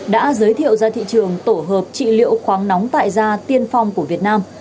đã giới thiệu ra thị trường tổ hợp trị liệu khoáng nóng tại gia tiên phong của việt nam